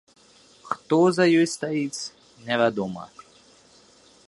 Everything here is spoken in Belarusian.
Хто за ёй стаіць, невядома.